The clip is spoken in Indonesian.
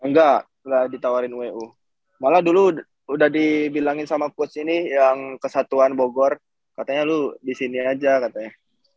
enggak setelah ditawarin wu malah dulu udah dibilangin sama puts ini yang kesatuan bogor katanya lo disini aja katanya